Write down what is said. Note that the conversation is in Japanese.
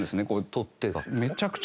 取っ手が。